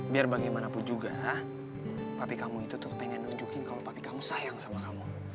biar bagaimanapun juga tapi kamu itu tuh pengen nunjukin kalau papi kamu sayang sama kamu